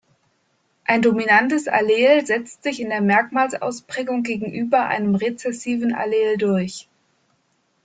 Ein dominantes Allel setzt sich in der Merkmalsausprägung gegenüber einem rezessiven Allel durch.